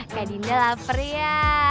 kak dinda lapar ya